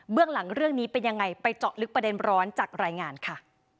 เรื่องหลังเรื่องนี้เป็นยังไงไปเจาะลึกประเด็นร้อนจากรายงานค่ะ